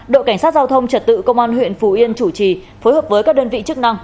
đội cảnh sát giao thông trật tự công an huyện phù yên chủ trì phối hợp với các đơn vị chức năng